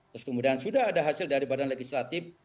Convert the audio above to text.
terus kemudian sudah ada hasil dari badan legislatif